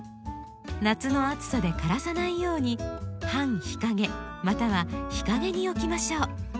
夏の暑さで枯らさないように半日陰または日陰に置きましょう。